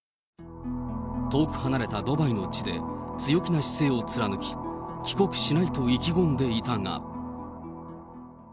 遠く離れたドバイの地で、強気な姿勢を貫き、帰国しないと意気込んでいたが。